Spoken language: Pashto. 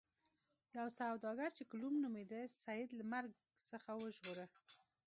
یو سوداګر چې کلوم نومیده سید له مرګ څخه وژغوره.